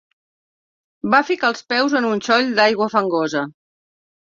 Va ficar els peus en un xoll d'aigua fangosa.